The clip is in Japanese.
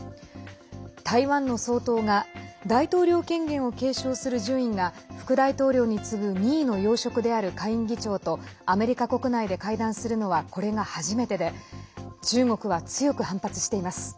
台湾の総統が大統領権限を継承する順位が副大統領に次ぐ２位の要職である下院議長とアメリカ国内で会談するのはこれが初めてで中国は強く反発しています。